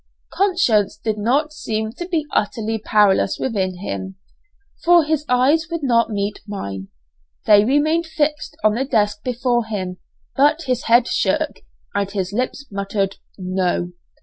Conscience did not seem to be utterly powerless within him, for his eyes would not meet mine, they remained fixed on the desk before him; but his head shook, and his lips muttered, "No."